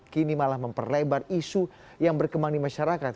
kini malah memperlebar isu yang berkembang di masyarakat